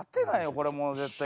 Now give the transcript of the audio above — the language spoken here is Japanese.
これもう絶対。